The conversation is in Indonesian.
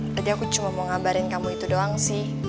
tadi aku cuma mau ngabarin kamu itu doang sih